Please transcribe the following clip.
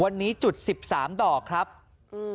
วันนี้จุดสิบสามดอกครับอืม